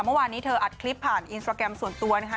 เมื่อวานนี้เธออัดคลิปผ่านอินสตราแกรมส่วนตัวนะคะ